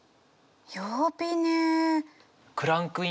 曜日ね。